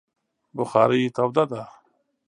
بخارۍ توده ده